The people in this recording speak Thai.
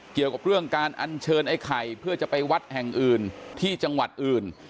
เกี่ยวกับเรื่องการอัญเชิญไอ้ไข่เพื่อจะไปวัดแห่งอื่นที่จังหวัดอื่น